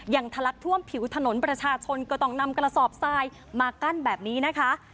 ทะลักท่วมผิวถนนประชาชนก็ต้องนำกระสอบทรายมากั้นแบบนี้นะคะ